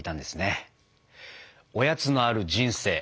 おやつのある人生